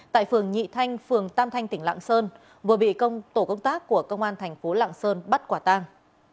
tại phường nhị thanh phường tam thanh tỉnh lạng sơn vừa bị tổ công tác của công an thành phố lạng sơn bắt quả tang